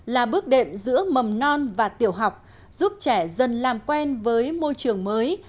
là bước đệm giữa mầm non và tiểu học giúp trẻ dần làm quen với môi trường mới